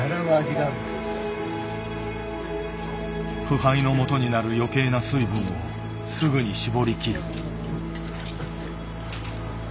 腐敗のもとになる余計な水分をすぐに絞りきる。